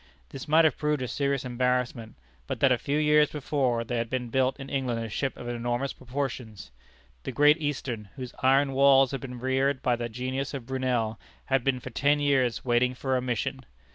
This might have proved a serious embarrassment, but that a few years before there had been built in England a ship of enormous proportions. The Great Eastern, whose iron walls had been reared by the genius of Brunel, had been for ten years waiting for "a mission."